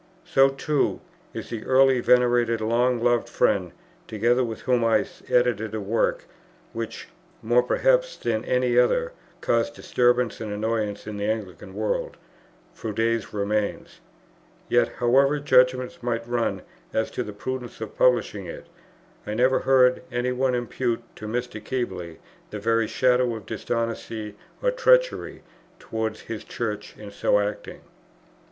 So, too, is that early venerated long loved friend, together with whom I edited a work which, more perhaps than any other, caused disturbance and annoyance in the Anglican world, Froude's Remains; yet, however judgments might run as to the prudence of publishing it, I never heard any one impute to Mr. Keble the very shadow of dishonesty or treachery towards his Church in so acting.